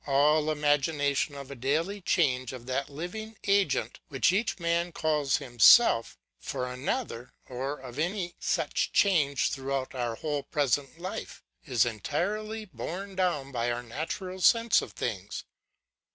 All imagination of a daily change of that living agent which each man calls himself, for another, or of any such change throughout our whole present life, is entirely borne down by our natural sense of things.